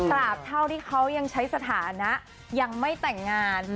เท่าที่เขายังใช้สถานะยังไม่แต่งงาน